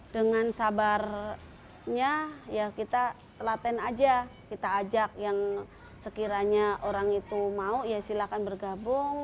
dengan sabarnya ya kita telaten aja kita ajak yang sekiranya orang itu mau ya silahkan bergabung